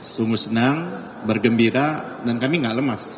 sungguh senang bergembira dan kami gak lemas